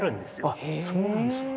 あそうなんですか。